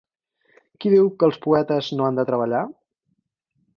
Qui diu que els poetes no han de treballar?